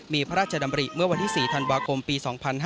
มีพระราชดำริเมื่อวันที่๔ธันวาคมปี๒๕๕๙